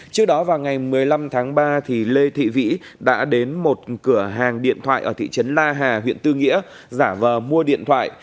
trước đó vào ngày một mươi năm tháng ba lê thị vĩ đã đến một cửa hàng điện thoại ở thị trấn la hà huyện tư nghĩa giả vờ mua điện thoại